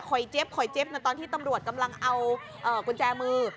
เจ็บคอยเจ็บตอนที่ตำรวจกำลังเอากุญแจมือ